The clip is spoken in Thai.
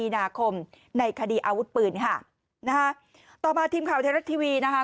นาคมในคดีอาวุธปืนค่ะนะฮะต่อมาทีมข่าวไทยรัฐทีวีนะคะ